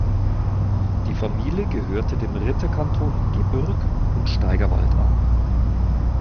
Die Familie gehörte dem Ritterkanton Gebürg und Steigerwald an.